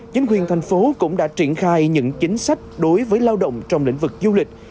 chính quyền thành phố cũng đã triển khai những chính sách đối với lao động trong lĩnh vực du lịch